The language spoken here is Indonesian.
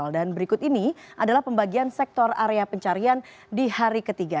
dan berikut ini adalah pembagian sektor area pencarian di hari ketiga